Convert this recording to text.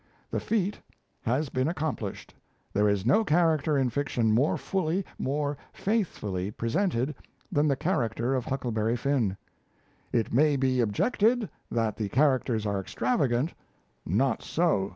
The feat has been accomplished; there is no character in fiction more fully, more faithfully, presented than the character of Huckleberry Finn. ... It may be objected that the characters are extravagant. Not so.